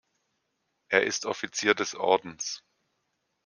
Er ist Offizier des Ordens.